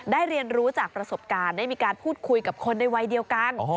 เรียนรู้จากประสบการณ์ได้มีการพูดคุยกับคนในวัยเดียวกัน